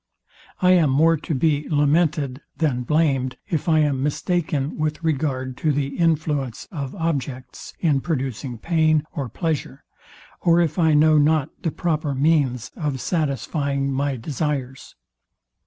I am more to be lamented than blamed, if I am mistaken with regard to the influence of objects in producing pain or pleasure, or if I know not the proper means of satisfying my desires.